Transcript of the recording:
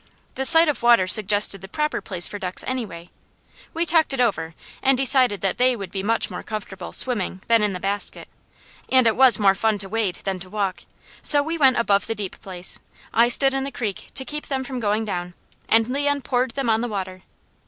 The sight of water suggested the proper place for ducks, anyway. We talked it over and decided that they would be much more comfortable swimming than in the basket, and it was more fun to wade than to walk, so we went above the deep place, I stood in the creek to keep them from going down, and Leon poured them on the water.